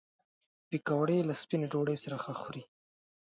پکورې له سپینې ډوډۍ سره ښه خوري